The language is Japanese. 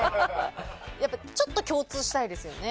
ちょっと共通したいですよね。